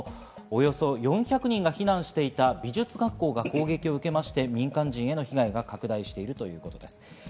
およそ４００人が避難していた美術学校が攻撃を受けまして、民間人への被害が拡大しているということです。